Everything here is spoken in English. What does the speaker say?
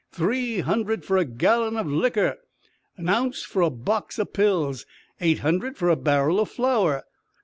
Three hundred fer a gallon o' likker! A ounce for a box o' pills! Eight hundred fer a barrel o' flour!